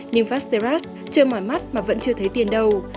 nhưng fasterras chưa mỏi mắt mà vẫn chưa thấy tiền đâu